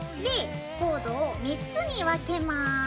コードを３つに分けます。